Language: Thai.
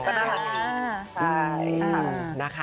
ใช่นะคะ